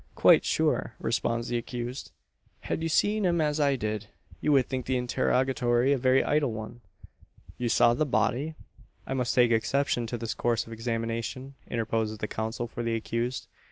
"Quite sure," responds the accused. "Had you seen him as I did, you would think the interrogatory a very idle one." "You saw the body?" "I must take exception to this course of examination," interposes the counsel for the accused.